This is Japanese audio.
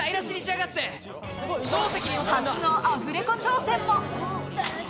初のアフレコ挑戦も。